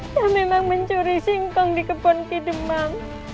dia memang mencuri singkong di kebun kidemang